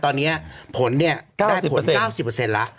ตอนนี้ได้ผล๙๐ละ